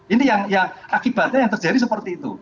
ini yang akibatnya yang terjadi seperti itu